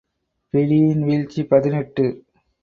பிடியின் வீழ்ச்சி பதினெட்டு .